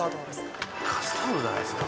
カスタードじゃないですか。